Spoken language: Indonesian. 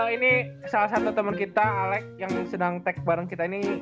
ini salah satu teman kita alec yang sedang take bareng kita ini